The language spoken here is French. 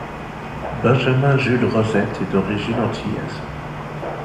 Benjamin Jules-Rosette est d'origine antillaise.